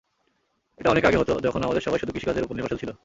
এটা অনেক আগে হতো, যখন আমাদের সবাই শুধু কৃষিকাজের ওপর নির্ভরশীল ছিল।